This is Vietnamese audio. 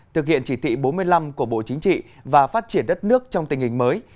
thực hiện chỉ thị bốn mươi năm của bộ chính trị và phát triển đất nước trong tình hình mới